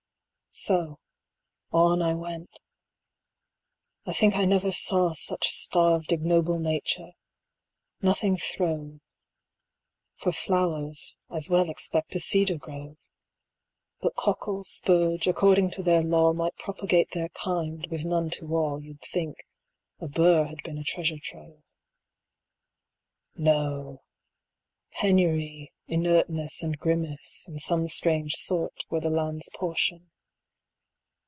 So, on I went. I think I never saw 55 Such starved ignoble nature; nothing throve; For flowers as well expect a cedar grove! But cockle, spurge, according to their law Might propagate their kind, with none to awe, You'd think; a bur had been a treasure trove. 60 No! penury, inertness, and grimace, In some strange sort, were the land's portion.